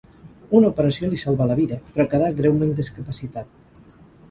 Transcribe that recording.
Una operació li salvà la vida, però quedà greument discapacitat.